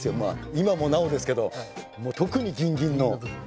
今もなおですけど特にギンギンの。